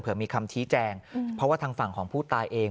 เพื่อมีคำชี้แจงเพราะว่าทางฝั่งของผู้ตายเอง